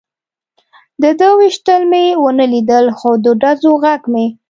د ده وېشتل مې و نه لیدل، خو د ډزو غږ مې.